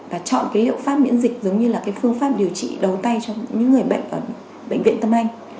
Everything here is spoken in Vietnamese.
và chọn cái liệu pháp miễn dịch giống như là cái phương pháp điều trị đầu tay cho những người bệnh ở bệnh viện tâm anh